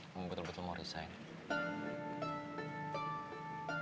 kamu betul betul mau resign